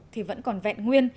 thì vẫn còn vẹn nguyên